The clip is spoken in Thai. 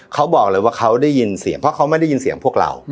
เขาบอกเลยว่าเขาได้ยินเสียงเพราะเขาไม่ได้ยินเสียงพวกเรา